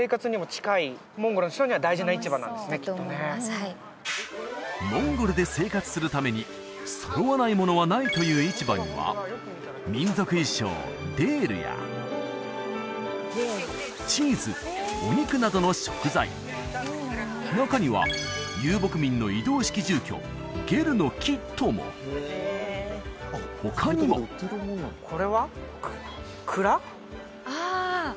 はいモンゴルで生活するために揃わないものはないという市場には民族衣装デールやチーズお肉などの食材中には遊牧民ののキットも他にもああ